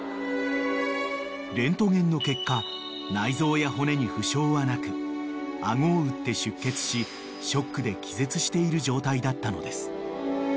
［レントゲンの結果内臓や骨に負傷はなく顎を打って出血しショックで気絶している状態だったのです］